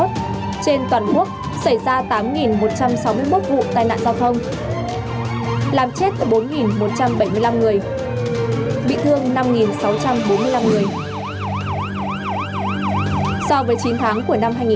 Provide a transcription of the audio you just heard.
trên toàn quốc xảy ra tám một trăm sáu mươi một vụ tai nạn giao thông